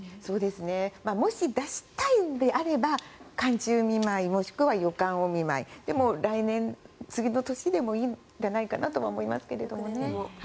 もし出したいのであれば寒中見舞い、余寒お見舞いでも、来年、次の年でもいいんじゃないかと思いますけど。